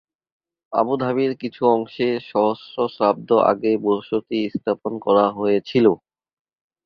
আবুধাবির কিছু অংশে সহস্রাব্দ আগে বসতি স্থাপন করা হয়েছিল।